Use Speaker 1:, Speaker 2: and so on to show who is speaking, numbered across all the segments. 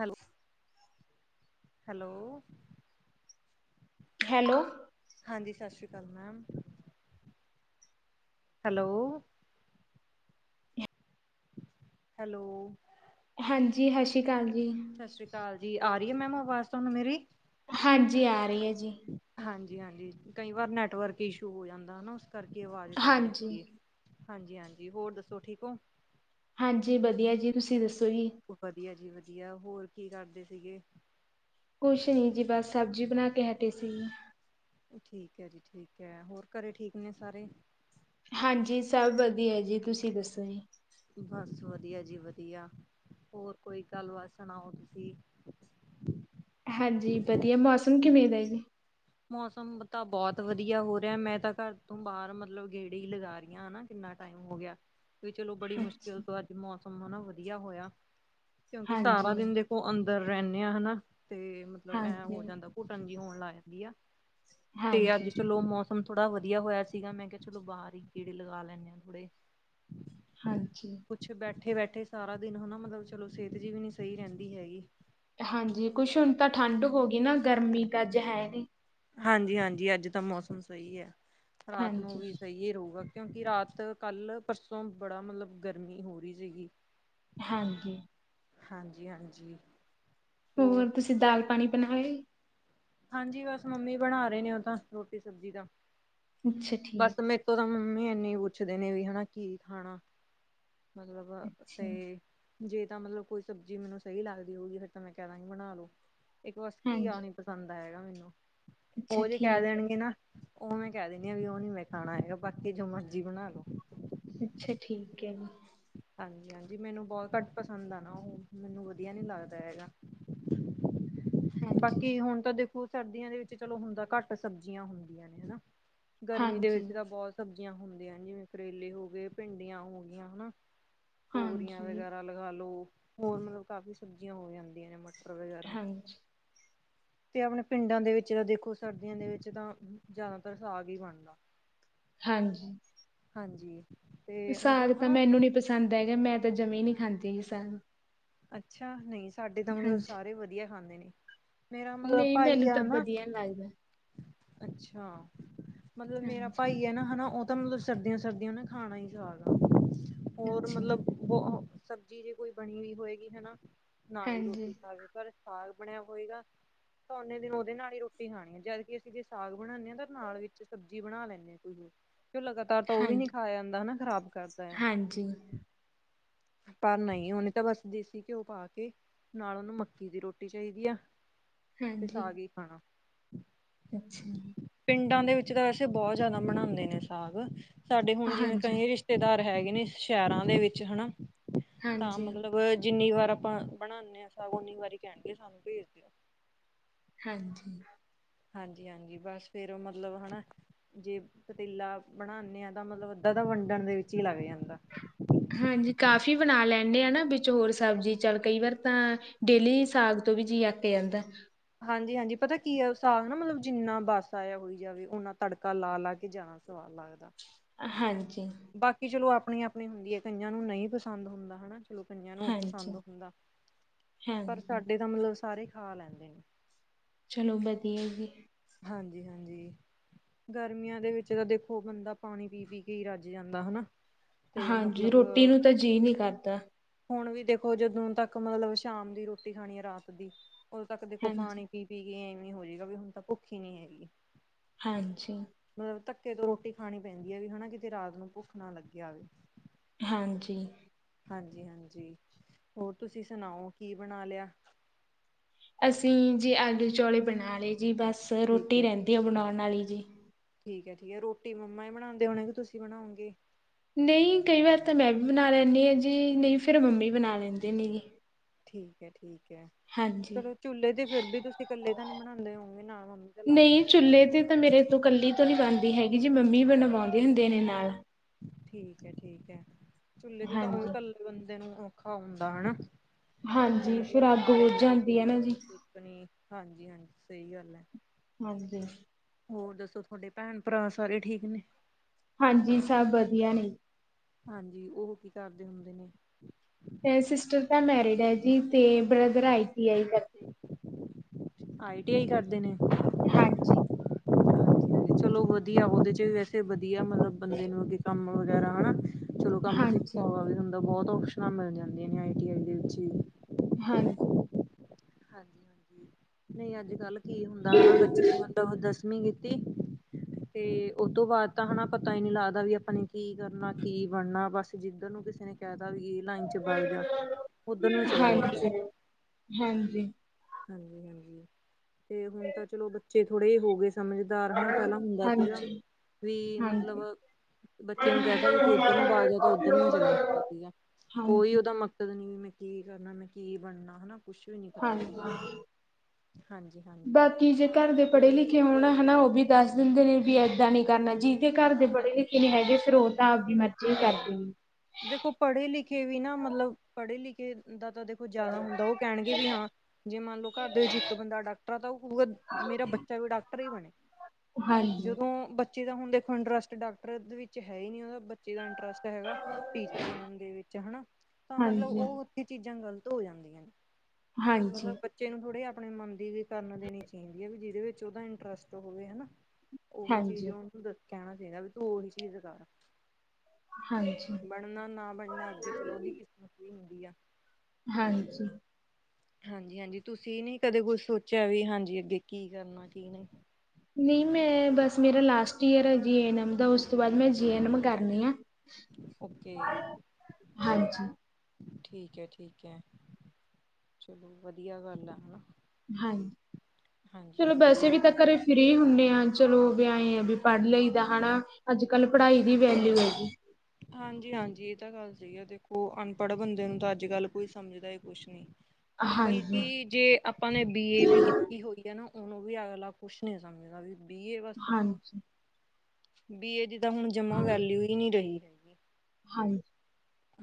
Speaker 1: Hello, hello,
Speaker 2: hello,
Speaker 1: ਹਾਂਜੀ ਸਤਿ ਸ੍ਰੀ ਅਕਾਲ ਮੈਮ, ਹੈਲੋ, ਹੈਲੋ,
Speaker 2: ਹਾਂਜੀ ਸਤਿ ਸ਼੍ਰੀ ਅਕਾਲ, ਜੀ
Speaker 1: ਸਤਿ ਸ੍ਰੀ ਅਕਾਲ ਜੀ, ਜੀ ਆ ਰਹੀ ਹੈ ਮੈਮ ਆਵਾਜ ਤੁਹਾਨੂੰ ਮੇਰੀ।
Speaker 2: ਹਾਂਜੀ ਆ ਰਹੀ ਹੈ। ਜੀ
Speaker 1: ਹਾਂਜੀ, ਹਾਂਜੀ ਕਈ ਵਾਰ ਨੈਟਵਰਕ ਇਸ਼ੂ ਹੋ ਜਾਂਦਾ ਹਨਾ। ਕਰਕੇ ਆਵਾਜ਼ ਕੱਟ
Speaker 2: ਹਾਂਜੀ
Speaker 1: ਜਾਂਦੀ ਹੈ। ਹਾਂਜੀ-ਹਾਂਜੀ, ਹੋਰ ਦੱਸੋ ਠੀਕ ਹੋ?
Speaker 2: ਹਾਂਜੀ ਵਧੀਆ ਜੀ, ਤੁਸੀਂ ਦੱਸੋ? ਜੀ
Speaker 1: ਵਧੀਆ ਜੀ ਵਧੀਆ। ਵਧੀਆ, ਹੋਰ ਕੀ ਕਰਦੇ ਸੀਗੇ।
Speaker 2: ਕੁਛ ਨੀ ਜੀ ਬਸ, ਸਬਜ਼ੀ ਬਣਾ ਕੇ ਹਟੇ ਸੀ।
Speaker 1: ਠੀਕ ਹੈ ਜੀ, ਠੀਕ ਹੈ, ਹੋਰ ਘਰੇ ਠੀਕ ਨੇ ਸਾਰੇ।
Speaker 2: ਹਾਂਜੀ ਸਭ ਵਧੀਆ ਜੀ, ਤੁਸੀਂ ਦੱਸੋ ਜੀ?
Speaker 1: ਬਸ ਵਧੀਆ ਜੀ ਵਧੀਆ, ਹੋਰ ਕੋਈ ਗੱਲਬਾਤ ਸੁਣਾਓ ਤੁਸੀਂ?
Speaker 2: ਹਾਂਜੀ ਵਧੀਆ, ਮੌਸਮ ਕਿਵੇਂ ਦਾ ਜੀ?
Speaker 1: ਮੌਸਮ ਤਾਂ ਬਹੁਤ ਵਧੀਆ ਹੋ ਰਿਹਾ, ਮੈਂ ਤਾਂ ਘਰ ਤੋਂ ਬਾਹਰ ਮਤਲਬ ਗੇੜੀ ਹੀ ਲਗਾ ਰਹੀ ਹਾਂ ਹਨਾ, ਕਿੰਨਾ ਟਾਈਮ ਹੋ ਗਿਆ। ਵੀ ਚਲੋ ਬੜੀ ਮੁਸ਼ਕਿਲ
Speaker 2: ਅੱਛਾ
Speaker 1: ਤੋਂ ਅੱਜ ਮੌ ਮੌਸਮ ਵਧੀਆ ਹੋਇਆ। ਕਿਉਂਕਿ ਸਾਰਾ
Speaker 2: ਹਾਂਜੀ
Speaker 1: ਦਿਨ ਦੇਖੋ ਅੰਦਰ ਅੰਦਰ ਰਹਿੰਦੇ ਆ ਹਨਾ। ਤੇ ਮਤਲਬ ਐਂ
Speaker 2: ਹਾਂਜੀ
Speaker 1: ਹੋ ਜਾਂਦਾ, ਘੁਟਣ ਜੀ ਹੋਣ ਲਾਇਆ। ਵਧੀਆ। ਤੇ ਅੱਜ
Speaker 2: ਹਾਂਜੀ
Speaker 1: ਚਲੋ ਮੌਸਮ ਮੌਸਮ ਥੋੜਾ ਵਧੀਆ ਹੋਇਆ ਸੀਗਾ, ਮੈਂ ਕਿਹਾ ਚਲੋ ਬਾਹਰ ਹੀ ਗੇੜੇ ਲਗਾ ਲੈਣੇ ਆ ਥੋੜੇ
Speaker 2: ਹਾਂਜੀ।
Speaker 1: ਕੁਛ ਬੈਠੇ ਬੈਠੇ ਸਾਰਾ ਦਿਨ ਹਨਾ, ਮਤਲਬ ਚਲੋ ਸਿਹਤ ਜਿਹੀ ਵੀ ਨੀ ਸਹੀ ਰਹਿੰਦੀ ਹੈਗੀ।
Speaker 2: ਹਾਂਜੀ ਕੁਛ ਹੁਣ ਤਾਂ ਠੰਢ ਹੋ ਗਈ ਨਾ, ਗਰਮੀ ਤਾਂ ਅੱਜ ਹੈ ਨੀ।
Speaker 1: ਹਾਂਜੀ ਹਾਂਜੀ, ਅੱਜ ਤਾਂ ਮੌਸਮ ਸਹੀ ਐ। ਰਾਤ ਨੂੰ
Speaker 2: ਹਾਂਜੀ
Speaker 1: ਵੀ ਸਹੀ ਰਹੂਗਾ। ਕਿਉਂਕਿ ਰਾਤ ਕੱਲ, ਪਰਸੋਂ ਬੜਾ ਮਤਲਬ ਗਰਮੀ ਹੋ ਰਹੀ ਸੀਗੀ।
Speaker 2: ਹਾਂਜੀ।
Speaker 1: ਹਾਂਜੀ ਹਾਂਜੀ।
Speaker 2: ਹੋਰ ਤੁਸੀਂ ਦਾਲ, ਪਾਣੀ ਬਣਾ ਲਿਆ।
Speaker 1: ਹਾਂਜੀ, ਬਸ ਮੰਮੀ ਬਣਾ ਰਹੇ ਨੇ, ਉਹ ਤਾਂ ਰੋਟੀ ਸਬਜ਼ੀ ਦਾ
Speaker 2: ਅੱਛਾ ਠੀਕ
Speaker 1: ਬਸ ਮੈਂਥੋ ਤਾਂ ਮੰਮੀ ਐਨੀ ਪੁੱਛਦੇ ਨੇ ਵੀ ਹਨਾ, ਕੀ ਖਾਣਾ ਮਤਲਬ
Speaker 2: ਅੱਛਾ
Speaker 1: ਤੇ ਜੇ ਤਾਂ ਮਤਲਬ ਕੋਈ ਸਬਜ਼ੀ ਮੈਨੂੰ ਸਹੀ ਲੱਗਦੀ ਹੋਊਗੀ, ਫਿਰ ਤਾਂ ਮੈਂ ਕਹਿ ਦਾਂਗੀ ਬਣਾ ਲੋ। ਇੱਕ ਬਸ ਘੀਆ
Speaker 2: ਹਾਂਜੀ
Speaker 1: ਨੀ ਪਸੰਦ ਹੈਗਾ ਮੈਨੂੰ
Speaker 2: ਅੱਛਾ
Speaker 1: ਉਹ ਜੇ ਕਹਿ
Speaker 2: ਠੀਕ ਹੈ
Speaker 1: ਦੇਣਗੇ ਨਾ ਉਵੇਂ ਕਹਿ ਵੀ ਉਹ ਨੀ ਮੈਂ ਖਾਣਾ ਹੈਗਾ, ਬਾਕੀ ਜੋ ਮਰਜੀ ਬਣਾ ਲੋ।
Speaker 2: ਅੱਛਾ ਠੀਕ ਹੈ ਜੀ।
Speaker 1: ਹਾਂਜੀ ਹਾਂਜੀ, ਮੈਨੂੰ ਬਹੁਤ ਘੱਟ ਪਸੰਦ ਆ ਨਾ ਉਹ, ਮੈਨੂੰ ਵਧੀਆ ਨੀ ਲੱਗਦਾ ਹੈਗਾ।
Speaker 2: ਹਾਂਜੀ
Speaker 1: ਬਾਕੀ ਹੁਣ ਤਾਂ ਦੇਖੋ ਸਰਦੀਆਂ ਦੇ ਵਿੱਚ ਚਲੋ ਹੁੰਦਾ ਘੱਟ ਸਬਜ਼ੀਆਂ ਹੁੰਦੀਆਂ ਨੇ, ਹੈਨਾ। ਗਰਮੀ ਦੇ
Speaker 2: ਹਾਂਜੀ
Speaker 1: ਵਿੱਚ ਤਾਂ ਬਹੁਤ ਸਬ ਹੁੰਦੀਆਂ ਜਿਵੇਂ ਕਰੇਲੇ ਹੋ ਗਏ, ਭਿੰਡੀਆਂ ਹੋ ਗਿਆਂ, ਹੈਨਾ। ਤੋਰੀਆਂ
Speaker 2: ਹਾਂਜੀ
Speaker 1: ਵਗੈਰਾ ਲਗਾ ਲੋ। ਹੋਰ ਮਤਲਬ ਕਾਫੀ ਸਬਜ਼ੀਆਂ ਹੋ ਜਾਂਦੀਆਂ ਨੇ, ਮ ਮਟਰ ਵਗੈਰਾ।
Speaker 2: ਹਾਂਜੀ
Speaker 1: ਤੇ ਅਪਣੇ ਪਿੰਡਾਂ ਦੇ ਵਿੱਚ ਤਾਂ ਦੇਖੋ ਸਰਦੀਆਂ ਦੇ ਵਿੱਚ ਤਾਂ ਜ਼ਿਆਦਾਤਰ ਸਾਗ ਹੀ ਬਣਦਾ।
Speaker 2: ਹਾਂਜੀ।
Speaker 1: ਹਾਂਜੀ। ਤੇ
Speaker 2: ਸਾਗ
Speaker 1: ਮਤਲਬ
Speaker 2: ਤਾਂ
Speaker 1: ਹਨਾ
Speaker 2: ਮੈਨੂੰ ਨੀ ਪਸੰਦ ਹੈਗਾ, ਮੈਂ ਤਾਂ ਜਮੀਂ ਨਹੀਂ ਖਾਂਦੀ ਸਾਗ
Speaker 1: ਅੱਛਾ, ਨਹੀ ਸਾਡੇ ਤਾਂ ਮਤਲਬ
Speaker 2: ਹਾਂਜੀ
Speaker 1: ਸਾਰੇ ਵਧੀਆ ਖਾਂਦੇ ਨੇ। ਮੇਰਾ ਮਤਲਬ
Speaker 2: ਨਹੀਂ
Speaker 1: ਭਾਈ
Speaker 2: ਮੈਨੂੰ
Speaker 1: ਆ
Speaker 2: ਤਾਂ
Speaker 1: ਨਾ
Speaker 2: ਵਧੀਆ ਲੱਗਦਾ।
Speaker 1: ਅੱਛਾ। ਮਤਲਬ ਮੇਰਾ
Speaker 2: ਹਾਂਜੀ
Speaker 1: ਭਾਈ ਹੈ ਨਾ ਹੈਨਾ, ਔ ਤਾਂ ਮਤਲਬ ਸਰਦੀਆਂ, ਸਰਦੀਆਂ ਨਾ ਖਾਣਾ ਹੀ ਸਾਗ ਆ। ਹੋਰ
Speaker 2: ਅੱਛਾ
Speaker 1: ਮਤਲਬ ਬੋ ਸਬਜ਼ੀ ਜੇ ਕੋਈ ਬਣੀ ਨੀ ਹੋਏ। ਗੀ ਹੈਨਾ ਨਾ ਹੀ
Speaker 2: ਹਾਂਜੀ
Speaker 1: ਰੋਟੀ ਖਾਵੇ ਪਰ ਸਾਗ ਬਣਿਆ ਹੋਏਗਾ, ਔਨੇ ਦਿਨ ਉਹਦੇ ਨਾਲ ਹੀ ਰੋਟੀ ਖਾਣੀ ਆ ਜਦ ਕਿ ਅਸੀਂ ਜੇ ਸਾਗ ਬਣਾਦੇ ਹਾਂ ਤਾਂ ਨਾਲ ਵਿੱਚ ਸਬਜ਼ੀ ਬਣਾ ਲੈਂਦੇ ਹਾਂ ਕੋਈ ਲਗਾਤਾਰ ਤਾਂ ਉਹ ਵੀ ਨੀ
Speaker 2: ਹਾਂਜੀ
Speaker 1: ਖਾਇਆ ਜਾਂਦਾ ਹੈਨਾ, ਖ਼ਰਾਬ ਕਰਦਾ ਆ।
Speaker 2: ਹਾਂਜੀ
Speaker 1: ਪਰ ਨਹੀਂ, ਔਨੇ ਤਾਂ ਬਸ ਦੇਸੀ ਘਿਓ ਪਾ ਕੇ ਨਾਲ ਔਨੂੰ ਮੱਕੀ ਦੀ ਰੋਟੀ ਚਾਹੀਦੀ ਆ। ਤੇ
Speaker 2: ਹਾਂਜੀ
Speaker 1: ਸਾਗ ਈ ਖਾਣਾ
Speaker 2: ਅੱਛਾ।
Speaker 1: ਪਿੰਡਾਂ ਦੇ ਵਿੱਚ ਤਾਂ ਵੈਸੇ ਬਹੁਤ ਜ਼ਿਆਦਾ ਬਨਾਦੇ ਨੇ ਸਾਗ ਸਾਡੇ ਹੁਣ ਜਿਵੇਂ
Speaker 2: ਹਾਂਜੀ
Speaker 1: ਕਈ ਰਿਸ਼ਤੇਦਾਰ ਹੈਗੇ ਨੇ ਸ਼ਹਿਰਾਂ ਦੇ ਵਿੱਚ ਹੈਨਾ।
Speaker 2: ਹਾਂਜੀ।
Speaker 1: ਜਿੰਨੀ ਵਾਰ ਆਪਾਂ ਬਣਾਨੇ ਆ, ਉਨੀ ਵਾਰੀ ਕਹਿਣਗੇ ਸਾਨੂੰ ਭੇਜ ਦਿਓ।
Speaker 2: ਹਾਂਜੀ।
Speaker 1: ਹਾਂਜੀ-ਹਾਂਜੀ ਬਸ ਫੇਰ ਮਤਲਬ ਹੈਨਾ, ਜੇ ਪਤੀਲਾ ਬਣਾਨੇ ਆਂ ਤਾਂ ਮਤਲਬ ਅੱਧਾਂ ਤਾਂ ਵੰਡਣ ਦੇ ਵਿੱਚ ਹੀ ਲੱਗ ਜਾਂਦਾ।
Speaker 2: ਹਾਂਜੀ ਕਾਫੀ ਬਣਾ ਲੇ ਕਹਿੰਦੇ ਆ ਨਾ ਵਿੱਚ ਹੋਰ ਸਬਜ਼ੀ ਚੱਲ, ਕਈ ਵਾਰ ਤਾਂ ਡੇਲੀ ਸਾਗ ਤੋਂ ਵੀ ਜੀ ਅਕ ਜਾਂਦਾ।
Speaker 1: ਹਾਂਜੀ-ਹਾਂਜੀ, ਪਤਾ ਕੀ ਆ ਸਾਗ ਨਾ ਮਤਲਬ ਜਿੰਨਾ ਬਾਸਾ ਜਿਹਾ ਹੋਈ ਜਾਵੇ, ਓਨਾ ਤੜਕਾ ਲਾ ਲਾ ਕੇ ਜਾਣਾ ਸਵਾਦ ਲੱਗਦਾ।
Speaker 2: ਹਾਂਜੀ।
Speaker 1: ਬਾਕੀ ਚਲੋ ਆਪ ਆਪਣੀ-ਆਪਣੀ ਹੁੰਦੀ ਏ, ਕਈਆਂ ਨੂੰ ਨਹੀਂ ਪਸੰਦ ਹੁੰਦਾ ਹਨਾ। ਚੱਲੋ ਕਈਆਂ ਨੂੰ ਪਸੰਦ
Speaker 2: ਹਾਂਜੀ
Speaker 1: ਹੁੰਦਾ, ਪਰ
Speaker 2: ਹਾਂਜੀ
Speaker 1: ਸਾਡੇ ਤਾਂ ਮਤਲਬ ਸਾਰੇ ਖਾ ਲੈਂਦੇ ਨੇ।
Speaker 2: ਚਲੋ ਵਧੀਆ ਜੀ।
Speaker 1: ਹਾਂਜੀ-ਹਾਂਜੀ, ਗਰਮੀਆਂ ਦੇ ਵਿੱਚ ਨਾ ਦੇਖੋ, ਬੰਦਾ ਪਾਣੀ ਪੀ ਪੀ ਕੇ ਹੀ ਰੱਜ ਜਾਂਦਾ ਹਨਾ। ਤੇ
Speaker 2: ਹਾਂਜੀ ਰੋਟੀ
Speaker 1: ਮਤਲਬ
Speaker 2: ਨੂੰ ਤਾਂ ਜੀਅ ਨਹੀਂ ਕਰਦਾ।
Speaker 1: ਹੁਣ ਵੀ ਦੇਖੋ, ਜਦੋਂ ਤੱਕ ਮਤਲਬ ਸ਼ਾਮ ਦੀ ਰੋਟੀ ਖਾਣੀ ਹੈ, ਰਾਤ ਦੀ ਉਦੋਂ ਤੱਕ ਦੇਖੋ
Speaker 2: ਹਾਂਜੀ
Speaker 1: ਪਾਣੀ ਪੀ ਪੀ ਐਵੇਂ ਹੋ ਜਾਏਗਾ ਵੀ ਹੁਣ ਤਾਂ ਸਿੱਖੀ ਨਹੀਂ ਹੈਗੀ।
Speaker 2: ਹਾਂਜੀ।
Speaker 1: ਧੱਕੇ ਤੋਂ ਰੋਟੀ ਖਾਣੀ ਪੈਂਦੀ ਐ ਵੀ ਹਨਾ, ਕਿਤੇ ਰਾਤ ਨੂੰ ਭੁੱਖ ਨਾ ਲੱਗ ਆਵੇ।
Speaker 2: ਹਾਂਜੀ।
Speaker 1: ਹਾਂਜੀ ਹਾਂਜੀ, ਹੋਰ ਤੁਸੀਂ ਸੁਣਾਓ, ਕੀ ਬਣਾ ਲਿਆ।
Speaker 2: ਅਸੀਂ ਜੀ ਆਲੂ, ਚੋਲੇ ਬਣਾ ਲਏ ਜੀ ਬਸ ਬਸ
Speaker 1: ਠੀਕ
Speaker 2: ਰੋਟੀ
Speaker 1: ਹੈ।
Speaker 2: ਰਹਿੰਦੀ ਆ ਬਣਾਉਣ ਵਾਲੀ। ਜੀ।
Speaker 1: ਠੀਕ ਹੈ ਠੀਕ ਹੈ, ਰੋਟੀ ਮੰਮਾ ਹੀ ਬਣਾਉਂਦੇ ਹੋਣੇ, ਕਿ ਤੁਸੀਂ ਬਣਾਉਗੇ।
Speaker 2: ਨਹੀਂ ਕਈ ਵਾਰ ਤਾਂ ਮੈਂ ਵੀ ਬਣਾ ਲੈਂਦੀ ਆ ਜੀ, ਨਹੀਂ ਫੇਰ ਮੰਮੀ ਬਣਾ ਲੈਂਦੇ ਨੇ ਜੀ।
Speaker 1: ਠੀਕ ਹੈ, ਠੀਕ ਹੈ।
Speaker 2: ਹਾਂਜੀ
Speaker 1: ਚਲੋ ਚੁੱਲੇ ਤੇ ਫੇਰ ਵੀ ਤੁਸੀਂ ਇਕੱਲੇ ਤਾਂ ਨੀ ਬਣਾਦੇ। ਬਣਾ ਹੋਣਗੇ ਨਾਲ। ਮੰਮੀ ਤਾਂ
Speaker 2: ਨਹੀਂ
Speaker 1: ਲੱਗਦੇ।
Speaker 2: ਚੁੱਲੇ ਤੇ ਤਾਂ ਮੇਰੇ ਤੋਂ ਕੱਲੀ ਤੋਂ ਨੀ ਬਣਦੀ। ਵੀ ਹੈਗੀ ਜੀ ਮੰਮੀ ਬਣਵਾਉਂਦੇ ਹੁੰਦੇ ਨੇ ਨਾਲ।
Speaker 1: ਠੀਕ ਹੈ ਠੀਕ ਹੈ। ਚੁੱਲੇ ਤੇ ਤਾਂ ਇਓ ਵੀ
Speaker 2: ਹਾਂਜੀ
Speaker 1: ਕੱਲੇ ਬੰਦੇ ਨੂੰ ਔਖਾ ਹੁੰਦਾ ਹਨਾ।
Speaker 2: ਹਾਂਜੀ ਫਿਰ
Speaker 1: ਮਤਲਬ
Speaker 2: ਅੱਗ
Speaker 1: ਨਾਲੇ
Speaker 2: ਬੁਝ
Speaker 1: ਤੇ
Speaker 2: ਜਾਂਦੀ ਹੈ ਨਾ ਜੀ
Speaker 1: ਬੇਲਣੀ ਸੇਕਣੀ ਹਾਂਜੀ ਹਾਂਜੀ ਸਹੀ ਗੱਲ ਆ।
Speaker 2: ਹਾਂਜੀ।
Speaker 1: ਹੋਰ ਦੱਸੋ, ਤੁਹਾਡੇ ਭੈਣ ਭਰਾ ਸਾਰੇ ਠੀਕ ਨੇ।
Speaker 2: ਹਾਂਜੀ ਸਭ ਵਧੀਆ ਨੇ।
Speaker 1: ਹਾਂਜੀ, ਉਹ ਕੀ ਕਰਦੇ ਹੁੰਦੇ ਨੇ।
Speaker 2: ਤੇ ਸਿਸਟਰ ਤਾਂ ਮੈਰਿਡ ਹੈ ਜੀ, ਤੇ ਬ੍ਰਦਰ ਆਈ ਟੀ ਆਈ ਕਰਦੇ।
Speaker 1: ਆਈ ਟੀ ਆਈ ਕਰਦੇ ਨੇ।
Speaker 2: ਹਾਂਜੀ।
Speaker 1: ਚਲੋ ਵਧੀਆ, ਉਹਦੇ ਚ ਵੀ ਵੈਸੇ ਵਧੀਆ ਮਤਲਬ ਬੰਦੇ ਨੂੰ ਅੱਗੇ ਕੰਮ ਵਗੈਰਾ ਹਨਾ ਚਲੋ ਕੰਮ ਸਿੱਖ
Speaker 2: ਹਾਂਜੀ
Speaker 1: ਵੀ ਹ ਬਹੁਤ ਆਪਸ਼ਨ ਮਿਲ ਜਾਂਦੀਆਂ ਨੇ ਆਈਟੀਆਈ ਦੇ ਵਿੱਚ
Speaker 2: ਹਾਂਜੀ
Speaker 1: ਹਾਂਜੀ ਹਾਂਜੀ ਨਹੀਂ ਅੱਜ ਕੱਲ ਕੀ ਹੁੰਦਾ ਹਨਾ ਬੱਚੇ ਨੂੰ ਬਹੁਤ ਦ ਕੀਤੀ ਤੇ ਉਹਤ ਤੋਂ ਬਾਅਦ ਤਾਂ ਹਨਾ ਪਤਾ ਹੀ ਨੀ ਲੱਗਦਾ ਵੀ ਆਪਾਂ ਨੇ ਕੀ ਕਰਨਾ ਕੀ ਬਣਨਾ ਬਸ ਜਿੱਧਰ ਨੂੰ ਕਿਸੇ ਨੇ ਕਹਿ ਤਾ ਵੀ ਇਹ ਲਾਈਨ ਚ ਵਗ ਜਾ ਉੱਧਰ ਨੂੰ ਚਲਾ ਜਾਂਦਾ।
Speaker 2: ਹਾਂਜੀ, ਹਾਂਜੀ
Speaker 1: ਹਾਂਜੀ, ਹਾਂਜੀ ਤੇ ਹੁਣ ਤਾਂ ਚਲੋ ਬੱਚੇ ਥੋੜੇ ਹੋ ਗਏ ਸਮਝਦਾਰ ਹਨਾ ਪਹਿਲਾਂ ਹੁੰਦਾ ਸੀਗਾ
Speaker 2: ਹਾਂਜੀ
Speaker 1: ਵੀ ਮਤਲਬ
Speaker 2: ਹਾਂਜੀ
Speaker 1: ਬੱਚੇ ਨੂੰ ਕਹਿ ਤ ਵੀ ਤੂੰ ਇੱਧਰ ਨੂੰ ਬਾਗ ਜਾਦਾ ਉੱਧਰ ਨੂੰ ਵੀ ਚਲਾ ਜਾਂਦਾ ਸੀਗਾ ਕੋਈ
Speaker 2: ਹਾਂਜੀ
Speaker 1: ਉਹਦਾ ਮਕਸਦ ਨੀ ਮ ਕੀ ਕਰਨਾ ਮੈਂ ਕੀ ਬਣਨਾ ਹਨਾ। ਕੁੱਛ ਵੀ ਨਹੀਂ ਪਤਾ ਸੀਗਾ। ਹਾਂਜੀ ਹਾਂਜੀ।
Speaker 2: ਬਾਕੀ ਜੇ ਘਰ ਦੇ ਪੜ੍ਹੇ ਲਿਖੇ ਹੋਣ ਹਨਾ। ਉਹ ਵੀ ਦੱਸ ਦਿੰਦੇ ਨੇ ਵੀ ਏਦਾਂ ਨੀ ਕਰਨਾ ਜੀ। ਦੇ ਘਰ ਦੇ
Speaker 1: ਨਹੀਂ
Speaker 2: ਪੜੇ ਲਿਖੇ ਨੀ ਹੈਗੇ। [unintelligible] ਤਾਂ ਆਪਦੀ ਮਰਜ਼ੀ
Speaker 1: ਨਹੀਂ
Speaker 2: ਕਰਦੀ।
Speaker 1: ਦੇਖੋ ਪੜ੍ਹੇ ਲਿਖੇ ਵੀ ਨਾ ਮਤਲਬ ਪੜ੍ਹੇ ਲਿਖੇ ਦਾ, ਤਾਂ ਦੇਖੋ ਜ਼ਿਆਦਾ ਹੁੰਦਾ, ਉਹ ਕਹਿਣਗੇ ਵੀ ਹਾਂ, ਜੇ ਮੰਨ ਲਓ ਘਰ ਦੇ ਵਿੱਚ ਇੱਕ ਬੰਦਾ ਡਾਕਟਰ ਆ ਤਾਂ ਉਹ ਮੇਰਾ ਬੱਚਾ ਵੀ ਡਾਕਟਰ ਅ ਹੋਣੇ,
Speaker 2: ਹਾਂਜੀ
Speaker 1: ਜਦੋਂ ਬ ਬੱਚੀ ਦਾ ਹੁਣ ਦੇਖੋ ਇੰਟਰਸਟ ਡਾਕਟਰ ਵਿੱਚ ਹੈ ਹੀ ਨੀ ਉਹਦਾ ਬੱਚ, ਇਹਦਾ ਇੰਟਰਸਟ, ਹੈਗਾ ਟੀਚਰ ਬਣਨ ਦੇ ਵਿੱਚ ਹਨਾ ਤਾਂ ਮਤਲਬ
Speaker 2: ਹਾਂਜੀ
Speaker 1: ਉਹ ਉੱਥੇ ਚੀਜ਼ਾਂ ਗਲਤ, ਹੋ ਜਾਂਦੀਆਂ ਨੇ। ਮਤਲਬ
Speaker 2: ਹਾਂਜੀ
Speaker 1: ਬੱਚੇ ਨੂੰ ਥੋੜੇ ਆ। ਆਪਣੇ ਮੰਨ ਦੇ ਵਿੱਚ, ਕਰਨ ਦੇਣੀ ਚਾਹੀਦੀ ਹੈ ਵੀ ਜ ਜਿਸ ਵਿੱਚ ਉਹਦਾ ਇੰਟਰਸਟ ਹੋਵੇ ਹਨਾ। ਉਹ ਵੀ ਚੀਜ਼
Speaker 2: ਹਾਂਜੀ
Speaker 1: ਉਹਨੂੰ ਦ ਕਹਿਣਾ ਚਾਹੀਦਾ ਵੀ ਤੂੰ ਉਹੀ ਚੀਜ਼ ਕਰ।
Speaker 2: ਹਾਂਜੀ
Speaker 1: ਬਣਨਾ ਨਾ ਬਣਨਾ ਅੱਗੇ ਚਲੋ ਉਹਦੀ ਕਿਸਮਤ ਕੀ, ਵਧੀਆ,
Speaker 2: ਹਾਂਜੀ,
Speaker 1: ਹਾਂਜੀ-ਹਾਂਜੀ ਤੁਸੀਂ ਨੀ ਕਦੇ ਕੁਛ ਸੋਚਿਆ ਵੀ ਹਾਂਜੀ ਅੱਗੇ ਕੀ ਕਰਨਾ ਕਿ ਨਹੀਂ,
Speaker 2: ਨਹੀਂ ਮੈਂ ਬਸ ਮੇਰਾ ਲਾਸਟ ਈਅਰ ਆ ਜੀ ਐਨ ਐਮ ਦਾ ਉਸ ਤੋਂ ਬਾਅਦ ਮੈਂ ਜੀ ਐਨ ਐਮ ਕਰਨੀ ਆ।
Speaker 1: ਓਕੇ,
Speaker 2: ਹਾਂਜੀ
Speaker 1: ਠੀਕ ਹੈ ਠੀਕ ਹੈ ਚਲੋ ਵਧੀਆ ਗੱਲ ਆ ਹੇਨਾ।
Speaker 2: ਹਾਜੀ ਚਲੋ ਵੈਸੇ ਵੀ
Speaker 1: ਹੋਰ
Speaker 2: ਤਾਂ ਘਰੇ ਫ੍ਰਰੀ ਹੁੰਨੇ ਆ। ਚਲੋ ਵੀ ਆਏ ਆ ਵੀ ਪੜ੍ਹ ਲਈ ਦਾ ਹੈਣਾ ਅੱਜ ਕੱਲ੍ਹ ਪੜ੍ਹਾਈ ਦੀ ਵੈਲਊ ਹੈਗੀ।
Speaker 1: ਹਾਂਜੀ-ਹਾਂਜੀ ਇਹ ਤਾਂ ਗੱਲ ਸਹੀ ਆ ਦੇਖੋ ਅਨਪੜ੍ਹ ਬੰਦੇ ਨੂੰ ਤਾਂ ਅੱਜ ਕੱਲ ਕੋਈ ਸਮਝਦਾ ਹੀ ਕੁਛ ਨਹੀਂ।
Speaker 2: ਹਾਂਜੀ
Speaker 1: ਬਲਕੀ ਜੇ ਆਪਾਂ ਨੇ ਬੀ ਏ ਵੀ ਕੀਤੀ ਹੋਈ ਹੈ ਨਾ, ਹੁਣ ਉਹ ਵੀ ਅਗਲਾ ਕੁੱਛ ਨੀ ਸਮਝਦਾ ਵੀ, ਬੀ ਏ ਬਸ,
Speaker 2: ਹਾਂਜੀ
Speaker 1: ਬੀ ਏ ਦੀ, ਹੁਣ ਜਮਾਂ ਵੈਲਿਊ ਹੀ ਨਹੀਂ ਰਹੀ। [inaudible]
Speaker 2: ਹਾਂ [unintelligible]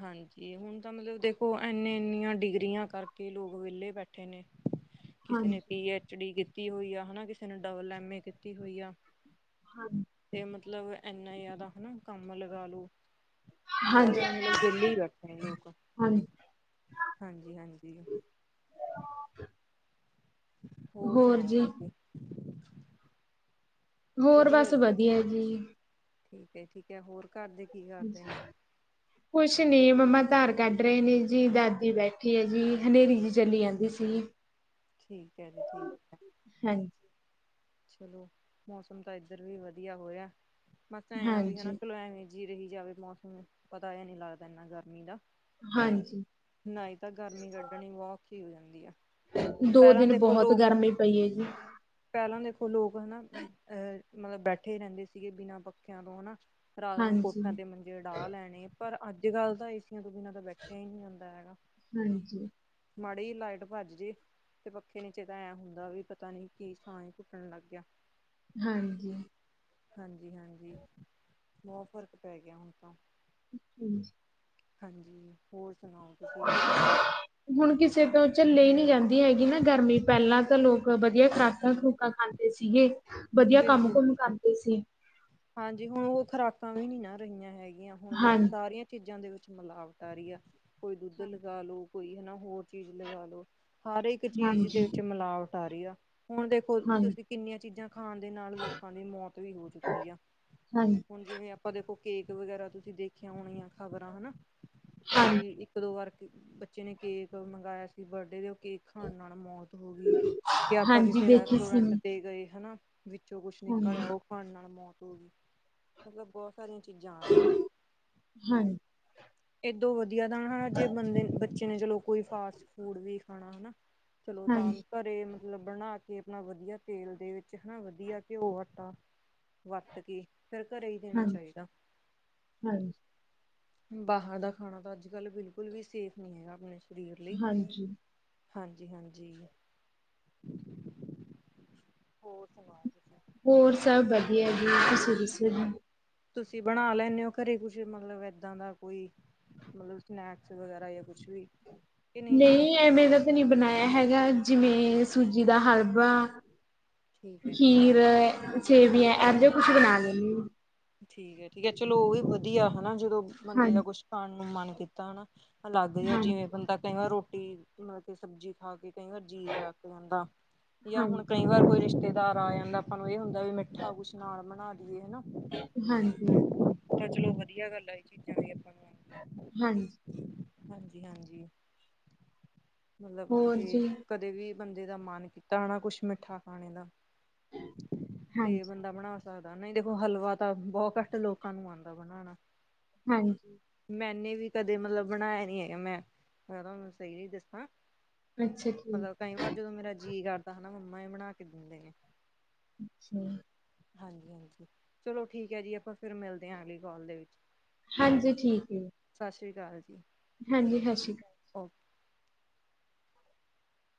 Speaker 1: ਹਾਂਜੀ ਹੁਨ ਤਾਂ ਮਤਲਬ ਦੇਖੋ ਇਨੇ ਇਨੀਆਂ ਡਿਗਰੀਆਂ ਕਰਕੇ ਲੋਕ ਵਿਹਲੇ ਬੈਠੇ ਨੇ ਕਿਸੇ ਨੇ
Speaker 2: ਹਾਂਜੀ
Speaker 1: ਪੀ ਐਚ ਡੀ ਕੀਤ ਕੀਤੀ ਹੋਈ ਆ ਹੈ ਨਾ ਕਿਸੇ ਨੇ ਡਬਲ ਐਮ ਏ ਕੀਤੀ ਹੋਈ ਆ
Speaker 2: ਹਾਂ
Speaker 1: ਤੇ ਮਤਲਬ ਏਨਾ ਜ਼ਿਆ ਬਹੁਤ
Speaker 2: ਹਾਂਜੀ
Speaker 1: ਜਿਆਦਾ ਮਤਲਬ ਵੇਹਲੇ ਈ ਬੈਠੇ ਐ ਲੋਕ
Speaker 2: ਹਾਂਜੀ
Speaker 1: ਹਾਂਜੀ ਹਾਂਜੀ ਹੋਰ ਸੁਨਾਓ ਤੁਸੀਂ
Speaker 2: ਹੋਰ ਬਸ ਵਧੀਆ ਜੀ
Speaker 1: ਠੀਕ ਏ ਠੀਕ ਹੈ ਹੋਰ ਘਰ ਦੇ ਕੀ ਕਰਦੇ ਨੇ
Speaker 2: ਕੁਛ ਨੀ ਮੰਮਾ ਧਾਰ ਕੱਢ ਰਹੇ ਨੇ ਜੀ ਦਾਦੀ ਬੈਠੀ ਹੈ ਜੀ ਹਨੇਰੀ ਜੀ ਚੱਲੀ ਜਾਂਦੀ ਸੀ
Speaker 1: ਠੀਕ ਹੈ ਜੀ ਠੀਕ ਹੈ
Speaker 2: ਹਾਂਜੀ
Speaker 1: ਚਲੋ ਮੌਸਮ ਤਾਂ ਏਧਰ ਵੀ ਵਧੀਆ ਹੋਇਆ ਮਤਾ ਐ ਆ ਵੀ ਹੇਨਾ
Speaker 2: ਹਾਂਜੀ
Speaker 1: ਕਲਵੇਂ ਵੀ ਜੀ ਰਹੀ ਜਾਵੇ ਮੌਸਮ ਪਤਾ ਏ ਨਹੀਂ ਲੱਗਦਾ ਏਨਾ ਗਰਮੀ ਦਾ
Speaker 2: ਹਾਂਜੀ
Speaker 1: ਨਹੀਂ ਤਾਂ ਗਰਮੀ ਕੱਢਣੀ ਬੋਤ ਔਖੀ ਹੁੰਦੀ ਏ
Speaker 2: ਦੋ ਦਿਨ ਬਹੁਤ ਗਰਮੀ ਪਈ ਹੈ ਜੀ।
Speaker 1: ਉੱਲੂ ਉਨ੍ਹਾਂ ਅਹ ਮਤਲਬ ਬੈਠੇ ਰਹਿੰਦੇ ਸੀਗੇ ਬਿਨਾਂ ਪੱਖਿਆਂ ਤੋਂ ਹਨਾ ਰਾਤ ਨੂੰ
Speaker 2: ਹਾਂਜੀ
Speaker 1: ਕੋਠਾਂ ਤੇ ਮੰਜੇ ਉ ਡਾਹ ਲੈਣੇ ਪਰ ਅੱਜ ਕੱਲ ਤਾਂ ਏਸੀਆਂ ਤੋਂ ਬਿਨਾਂ ਤਾਂ ਬੈਠਿਆ ਹੀ ਨਹੀਂ ਜਾਂਦਾ ਹੈਗਾ
Speaker 2: ਹਾਂਜੀ
Speaker 1: ਮਾੜੀ ਲਾਈਟ ਭੱਜ ਜੇ ਤੇ ਪੱਖੇ ਨੀਚੇ ਤਾਂ ਐ ਹੁੰਦਾ ਵੀ ਪਤਾ ਨੀ ਕੀ ਸਾਂਅ ਘੁੱਟਣ ਲੱਗ ਗਿਆ
Speaker 2: ਹਾਂਜੀ
Speaker 1: ਹਾਂ ਜੀ ਹਾਂਜੀ ਬਹੁਤ ਫ਼ਰਕ ਪੈ ਗਿਆ ਹੁਣ ਤਾਂ
Speaker 2: ਹਾਂਜੀ
Speaker 1: ਹਾਂਜੀ ਹੋਰ ਸੁਣਾਓ ਤੁਸੀਂ
Speaker 2: ਹੁਣ ਕਿਸੇ ਤੋਂ ਚੱਲੇ ਨਹੀਂ ਜਾਂਦੀ ਹੈਗੀ। ਨਾ ਗਰਮੀ ਪਹਿਲਾਂ ਤਾਂ ਲੋਕ ਵਧੀਆ ਖੁਰਾਕਾਂ ਖੂਕਾਂ ਖਾਂਦੇ ਸੀਗੇ। ਵਧੀਆ ਕੰਮ
Speaker 1: ਬਿਲਕੁਲ-
Speaker 2: ਕੁਮ
Speaker 1: ਬਿਲਕੁਲ
Speaker 2: ਕਰਦੇ ਸੀ
Speaker 1: ਹਾਂਜੀ। ਹੁਣ ਉਹ ਖੁਰਾਕਾਂ ਵੀ ਨੀ ਨਾ ਰਹੀਆਂ ਹੈਗੀਆਂ। ਹੁਣ ਦੇਖੋ
Speaker 2: ਹਾਂਜੀ
Speaker 1: ਸਾਰੀਆਂ ਚੀਜ਼ਾਂ ਦੇ ਮਿਲਾਵਟ ਆ ਰਹੀ ਆ। ਕੋਈ ਦੁੱਧ ਲਗਾ ਲੋ, ਕੋਈ ਹਨਾ ਹੋਰ ਚੀਜ਼ ਲਗਾ ਲੋੋ। ਹਰ ਇੱਕ ਚੀਜ਼ ਦੇ
Speaker 2: ਹਾਂਜੀ
Speaker 1: ਵਿੱਚ ਮਿਲਾਵਟ ਸਾਰੀਆ ਹੁਣ ਦੇਖੋ
Speaker 2: ਹਾਂਜੀ
Speaker 1: ਤੁਸੀਂ ਕਿੰਨੀਆਂ ਚੀਜ਼ਾਂ ਖਾਣ ਦੇ ਨਾਲ ਲੋਕਾਂ ਦੀ ਮੌਤ ਵੀ ਹੋ ਚੁੱਕੀ ਆ
Speaker 2: ਹਾਂਜੀ
Speaker 1: ਹੁਣ ਜਿਵੇਂ, ਆਪਾਂ ਦੇ ਤੋਂ ਕੇਕ ਵਗੈਰਾ ਤੁਸੀਂ ਦੇਖਿਆ ਹੋਣੀਆਂ ਖ਼ਬਰਾਂ ਹਨਾ। ਵੀ
Speaker 2: ਹਾਂਜੀ
Speaker 1: ਇੱਕ- ਦੋ ਵਾਰ ਅਤੇ ਬੱਚੇ ਨੇ ਕੇਕ ਮੰਗਵਾਇਆ ਸੀ। ਬਰਡੇ ਦੇ ਉੱਤੇ ਕੇਕ ਖਾਣ ਨਾਲ ਮੌਤ ਹੋ ਗਈ। ਕਿ ਆਪਾਂ
Speaker 2: ਹਾਂਜੀ
Speaker 1: ਕਿਸੇ
Speaker 2: ਦੇਖੀ ਸੀ
Speaker 1: ਰੈਸਟੋਰੈਂਟ
Speaker 2: ਮੈਂ।
Speaker 1: ਤੇ ਗਏ ਹਨਾ। ਵਿੱਚੋਂ ਕੁਛ ਨਿਕਲਿਆ।
Speaker 2: ਹਾਂਜੀ
Speaker 1: ਉਹ ਖਾਣ ਨਾਲ ਮੌਤ ਮਤਲਬ ਬਸ ਸਾਰੀਆਂ ਚੀਜ਼ਾਂ ਆ ਰਹੀਆਂ ਨੇ।
Speaker 2: ਹਾਂਜੀ
Speaker 1: ਇਹਦੋ ਵਧ- ਦਾ ਜੇ ਬੰਦੇ, ਬੱਚੇ ਜਿਹਨੇ ਚਲੋ ਕੋਈ ਫਾਸਟ ਫੂਡ ਵੀ ਖਾਣਾ ਹਨਾ। ਚਲੋ, ਤਾਂ
Speaker 2: ਹਾਂਜੀ
Speaker 1: ਘਰੇ ਮਤਲਬ ਬਣਾ ਕੇ ਆਪਣਾ ਵਧੀਆ ਤੇਲ ਦੇ ਵਿੱਚ ਹਨਾ ਵਧੀਆ ਘਿਓ, ਆਟਾ ਵਰਤ ਕੇ ਫਿਰ ਘਰੇ ਹੀ ਦੇਣਾ
Speaker 2: ਹਾਂਜੀ
Speaker 1: ਚਾਹੀਦਾ।
Speaker 2: ਹਾਂਜੀ
Speaker 1: ਬਾਹਰ ਦਾ ਖਾਣਾ ਤਾਂ ਅੱਜ ਕੱਲ੍ਹ ਬਿਲਕੁਲ ਵੀ ਸੇਫ ਨਹੀਂ ਹੈਗਾ। ਆਪਣੇ
Speaker 2: ਹਾਂਜੀ।
Speaker 1: ਹਾਂਜੀ-ਹਾਂਜੀ। ਹੋਰ ਸੁਣਾ? ਤੁਸੀਂ
Speaker 2: ਹੋਰ ਸਭ ਵਧੀਆ ਜੀ, ਤੁਸੀਂ ਦੱਸੋ ਜੀ,
Speaker 1: ਤੁਸੀਂ ਬਣਾ ਲੈਂਦੇ ਹੋ। ਘਰੇ ਕੁਛ ਮਤਲਬ ਦਾਂ ਦਾ ਕੋਈ ਮਤਲਬ ਸਨੈਕਸ ਵਗੈਰਾ ਜਾਂ ਕੁਛ ਵੀ
Speaker 2: ਨਹੀਂ ਐਵੇਂ ਦਾ ਤਾਂ ਨਹੀਂ ਬਣਾਇਆ। ਹੈਗਾ। ਜਿਵੇਂ ਸੂਜੀ ਦਾ ਹਲਵਾ
Speaker 1: ਠੀਕ ਹੈ ਠੀਕ ਹੈ।
Speaker 2: ਖੀਰ, ੇ ਵੀ ਇਹ ਜਿਹਾ ਕੁਛ ਬਣਾ ਲੈਂਦੇ ਹੋ।
Speaker 1: ਠੀਕ ਹੈ-ਠੀਕ ਹੈ ਚਲੋ ਉਹ ਵੀ ਵਧੀਆ ਹਨਾ ਜਦੋਂ
Speaker 2: ਹਾਂ
Speaker 1: ਬੰਦੇ ਦਾ ਕੁਛ ਖਣ ਨੂੰ ਨੂੰ ਮਨ ਕੀਤਾ ਹਨਾ ਦੱਸਦੇ ਹੋ
Speaker 2: ਹਾਂਜੀ
Speaker 1: ਜਿਵੇਂ ਹੁਣ ਤਾਂ ਕਈ ਵਾਰ ਰੋਟੀ ਮਲ ਕੇ ਸਬਜ਼ੀ ਖਾ ਕੇ ਕਈ ਵਾਰ ਜੀਅ ਆ ਜਾਂਦਾ ਜਾਂ
Speaker 2: ਹਾਂਜੀ
Speaker 1: ਹੁਣ ਕਈ ਵਾਰ ਕੋਈ ਰਿਸ਼ਤੇ ਦਾਰਾ ਆ ਜਾਂਦਾ ਆਪਾਂ ਨੂੰ ਇਹ ਹੁੰਦਾ ਵੀ ਮਿੱਠਾ ਕੁਛ ਨਾਲ ਬਣਾ ਦੀਈਏ ਹਨਾ
Speaker 2: ਹਾਂਜੀ
Speaker 1: ਤਾਂ ਚਲੋ ਵਧੀਆ ਗੱਲ ਆ ਇਹ ਚੀਜ਼ਾਂ ਵੀ ਆਪਾਂ ਨੂੰ
Speaker 2: ਹਾਂਜੀ
Speaker 1: ਹਾਂਜੀ-ਹਾਂਜੀ ਮਤਲਬ
Speaker 2: ਹੋਰ
Speaker 1: ਜੇ
Speaker 2: ਜੀ
Speaker 1: ਕਦੇ ਵੀ ਬੰਦੇ ਦਾ ਮਨ ਕੀਤਾ ਹੈ ਨਾ ਕੁਛ ਮਿੱਠਾ ਖਾਣੇ ਦਾ ਤੇ
Speaker 2: ਹਾਂਜੀ
Speaker 1: ਬੰਦਾ ਬਣਾ ਸਕਦਾ ਨਹੀਂ ਦੇਖੋ ਹਲਵਾ ਤਾਂ ਬਹੁਤ ਘੱਟ ਲੋਕਾਂ ਨੂੰ ਆਉਂਦਾ ਬਣਾਉਣਾ
Speaker 2: ਹਾਂਜੀ
Speaker 1: ਮੈਨੇ ਵੀ ਕਦੇ ਮਤਲਬ ਬਣਾਇਆ ਨੀ ਹੈਗਾ ਮੈਂਨੂੰ ਸਹੀ ਨ ਦੱਸਾਂ
Speaker 2: ਅੱਛਾ ਠੀਕ
Speaker 1: ਮਤਲਬ ਕਈ ਵਾਰ ਜਦੋਂ ਮੇਰਾ ਜੀਅ ਕਰਦਾ ਹੈਾ ਮੰਮਾ ਇਹ ਬਣਾ ਕੇ ਦਿੰਦੇ ਨੇ
Speaker 2: ਅੱਛਾ
Speaker 1: ਹਾਂਜੀ-ਹਾਂਜੀ ਚਲੋ ਠੀਕ ਹੈ ਜੀ ਆਪਾਂ ਫਿਰ ਮਿਲਦੇ ਹਾਂ ਅਗਲੀ ਕਾਲ ਦੇ ਵਿੱਚ
Speaker 2: ਹਾਂਜੀ ਠੀਕ ਹੈ
Speaker 1: ਸਤਿ ਸ਼੍ਰੀ ਅਕਾਲ ਜੀ
Speaker 2: ਹਾਂਜੀ ਸਤਿ ਸ਼੍ਰੀ ਅਕਾਲ
Speaker 1: [inaudible]